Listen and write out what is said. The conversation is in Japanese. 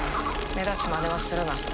目立つまねはするな。